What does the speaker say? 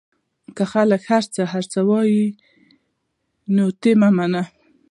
خلک به هرڅه هرڅه وايي نو ته يې منې؟